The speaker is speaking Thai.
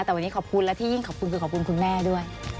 แต่วันนี้ขอบคุณและที่ยิ่งขอบคุณคือขอบคุณคุณแม่ด้วย